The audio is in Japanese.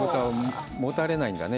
もたれないんだね。